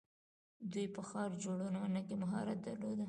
دوی په ښار جوړونه کې مهارت درلود.